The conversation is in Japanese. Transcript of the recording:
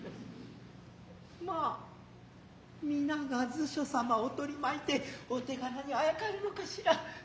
まあ皆が図書様を取巻いてお手柄にあやかるのか知ら。